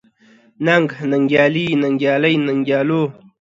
ننګ، ننګيالي ، ننګيالۍ، ننګيالو ،